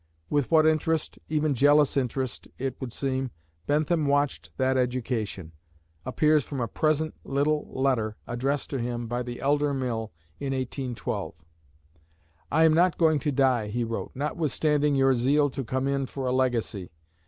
With what interest even jealous interest, it would seem Bentham watched that education, appears from a pleasant little letter addressed to him by the elder Mill in 1812. "I am not going to die," he wrote, "notwithstanding your zeal to come in for a legacy.